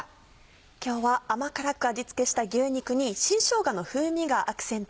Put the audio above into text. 今日は甘辛く味付けした牛肉に新しょうがの風味がアクセント